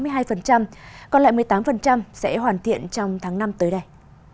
công trình đạt trên tám tỷ đồng còn lại một mươi tám sẽ hoàn thiện trong tháng năm tới đây